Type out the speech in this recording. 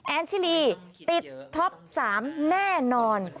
ชิลีติดท็อป๓แน่นอน